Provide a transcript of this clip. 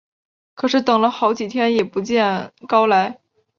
可是等了好几天也不见辜来。